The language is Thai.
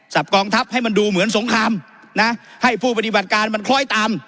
กองทัพให้มันดูเหมือนสงครามนะให้ผู้ปฏิบัติการมันคล้อยตาม